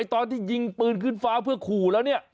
ตอนที่ยิงปืนขึ้นฟ้าเพื่อขู่แล้วเนี่ย